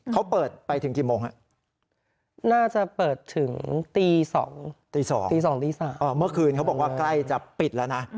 เขาเปิดไปถึงกี่โมงฮะน่าจะเปิดถึงตี๒ตี๒ตี๒ตี๓เมื่อคืนเขาบอกว่าใกล้จะปิดแล้วนะ